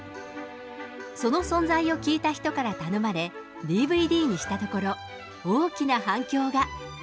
その存在を聞いた人から頼まれＤＶＤにしたところ大きな反響が。